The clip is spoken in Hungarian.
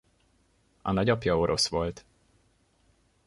A nagyapja orosz volt.